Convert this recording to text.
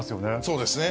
そうですね。